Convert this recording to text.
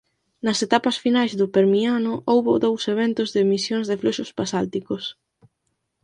Nas etapas finais do Permiano houbo dous eventos de emisións de fluxos basálticos.